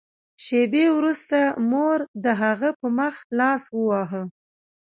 شېبې وروسته مور د هغه په مخ لاس وواهه